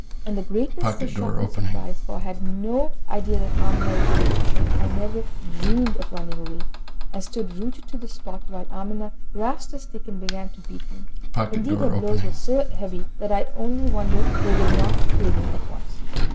In the greatness of the shock and surprise for I had no idea that Amina was a magician I never dreamed of running away, and stood rooted to the spot, while Amina grasped a stick and began to beat me. Indeed her blows were so heavy, that I only wonder they did not kill me at once.